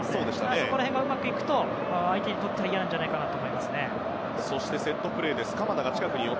そこら辺がうまくいくと相手にとっても嫌なんじゃないかなと。